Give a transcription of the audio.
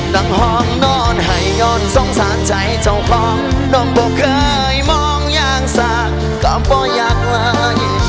นั่งห้องนอนให้ย่อนสงสารใจเจ้าของน้องบอกเคยมองอย่างสากก็บ่อยากไว้